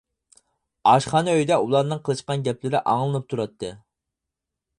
ئاشخانا ئۆيدە ئۇلارنىڭ قىلىشقان گەپلىرى ئاڭلىنىپ تۇراتتى.